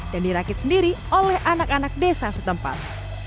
dan dirakit sendiri oleh anak anak desa setempat